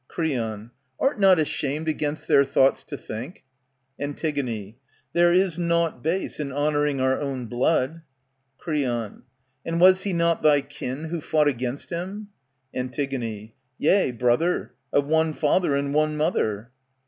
Creon, Art not ashamed against their thoughts to think ?^''' Antig, There is nought base in honouring our own blood. Creon, And was he not thy kin who fought against him ? Antig, Yea, brother, of one father and one mother.